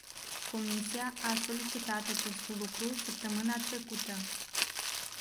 Comisia a solicitat acest lucru săptămâna trecută.